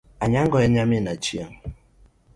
Anyango en nyamin Achieng .